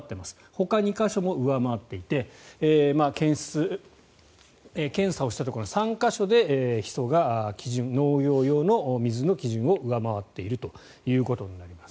ほか２か所も上回っていて検査をしたところ３か所でヒ素が基準農業用の水の基準を上回っているということになります。